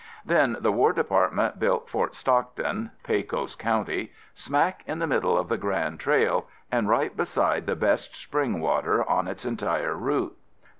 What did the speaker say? Then the War Department built Fort Stockton (Pecos County), smack in the middle of the Grand Trail and right beside the best spring of water on its entire route.